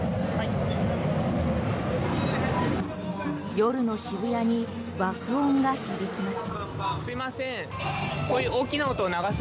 夜の渋谷に爆音が響きます。